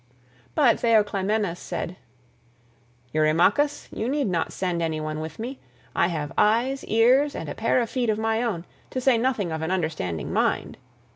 But Theoclymenus said, "Eurymachus, you need not send any one with me. I have eyes, ears, and a pair of feet of my own, to say nothing of an understanding mind.